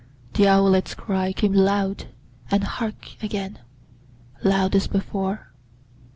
The owlet's cry Came loud and hark, again! loud as before.